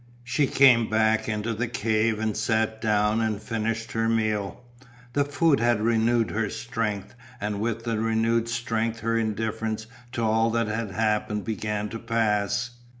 She came back into the cave and sat down and finished her meal, the food had renewed her strength and with renewed strength her indifference to all that had happened began to pass.